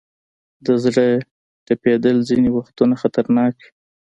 د زړه ټپېدل ځینې وختونه خطرناک وي.